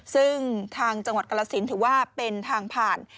ซึ่งทางจังหวัดกรสินถือว่าเป็นทางผ่าน